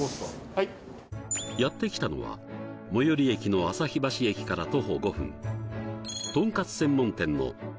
はいやって来たのは最寄り駅の旭橋駅から徒歩５分